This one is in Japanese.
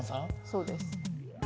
そうです。